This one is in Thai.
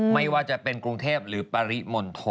ไม่ว่าจะเป็นกรุงเทพหรือปริมณฑล